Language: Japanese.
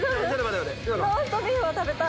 ローストビーフを食べたい。